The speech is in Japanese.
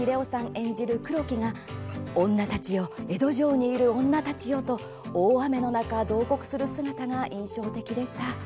演じる黒木が「女たちよ江戸城にいる女たちよ」と大雨の中、どうこくする姿が印象的でした。